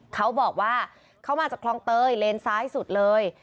เขาบอกว่าเขามาจากคลองเตยเลนซ้ายสุดเลย